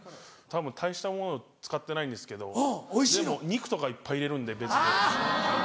大したもの使ってないんですけどでも肉とかいっぱい入れるんで別で。